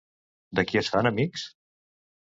De qui es fan amics?